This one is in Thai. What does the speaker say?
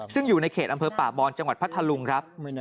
ซึ่งอยู่ในเขตอำเภอป่าบอนจังหวัดพัทธลุงครับ